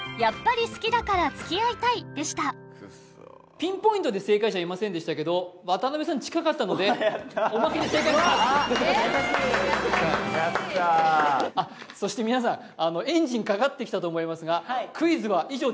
ピンポイントで正解者いませんでしたけど渡邊さん近かったのでおまけで正解にしますええ優しいやったそして皆さんエンジンかかってきたと思いますがえっ！？